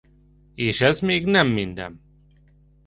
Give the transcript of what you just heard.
És ez még nem minden!